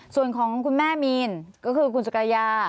ส่วนของคุณแม่มีนก็คือคุณสุกรยา